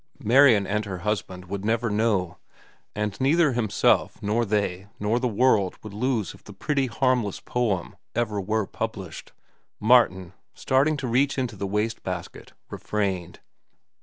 Marian and her husband would never know, and neither himself nor they nor the world would lose if the pretty, harmless poem ever were published. Marian, starting to reach into the waste basket, refrained.